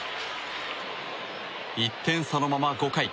１点差のまま５回。